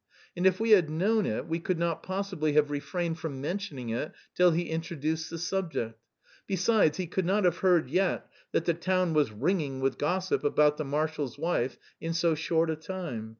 And if we had known it, we could not possibly have refrained from mentioning it till he introduced the subject. Besides, he could not have heard yet that the town was "ringing with gossip" about the marshal's wife in so short a time.